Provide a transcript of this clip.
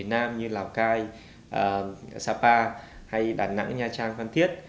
như lào cai sapa đà nẵng nha trang văn thiết